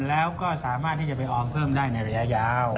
แล้วก็สามารถที่จะไปออมเพิ่มได้ในระยะยาว